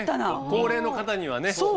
高齢の方にはね優しい。